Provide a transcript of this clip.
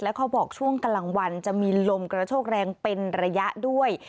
เขาบอกช่วงกลางวันจะมีลมกระโชกแรงเป็นระยะด้วย